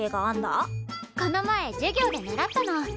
この前授業で習ったの。